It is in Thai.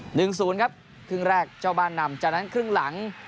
หนึ่งศูนย์ครับครึ่งแรกเจ้าบ้านนำจากนั้นครึ่งหลัง